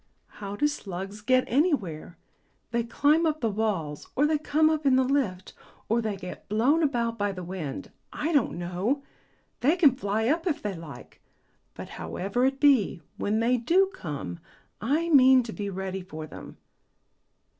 "How do slugs get anywhere? They climb up the walls, or they come up in the lift, or they get blown about by the wind I don't know. They can fly up if they like; but, however it be, when they do come, I mean to be ready for them."